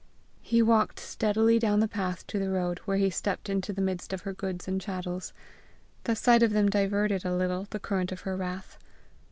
He walked steadily down the path to the road, where he stepped into the midst of her goods and chattels. The sight of them diverted a little the current of her wrath.